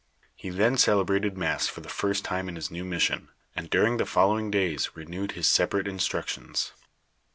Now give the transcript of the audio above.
He then celebrated mass for the first time in his new mission, and during the fol lowing days renewed his separate instructions.